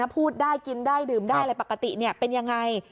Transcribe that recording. พูดได้กินได้ดื่มได้อะไรปกติเป็นยังไง